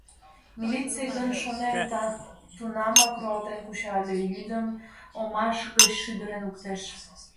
Милиций гын, шонем, тунамак руалтен куча але йӱдым омаш гыч шӱдырен луктеш.